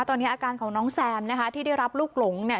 ตอนนี้อาการของน้องแซมนะคะที่ได้รับลูกหลงเนี่ย